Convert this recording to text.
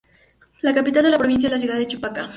La capital de la provincia es la ciudad de "Chupaca".